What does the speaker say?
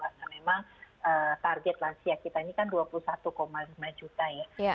karena memang target lansia kita ini kan dua puluh satu lima juta ya